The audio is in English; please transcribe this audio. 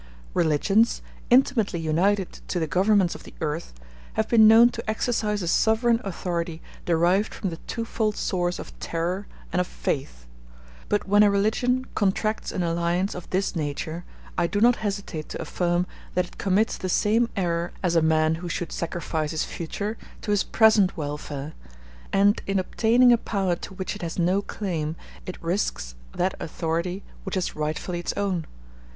Religions, intimately united to the governments of the earth, have been known to exercise a sovereign authority derived from the twofold source of terror and of faith; but when a religion contracts an alliance of this nature, I do not hesitate to affirm that it commits the same error as a man who should sacrifice his future to his present welfare; and in obtaining a power to which it has no claim, it risks that authority which is rightfully its own.